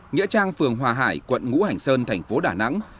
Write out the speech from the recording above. nghĩa trang phường hòa hải quận ngũ hành sơn thành phố đà nẵng